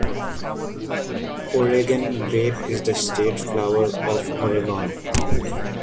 Oregon grape is the state flower of Oregon.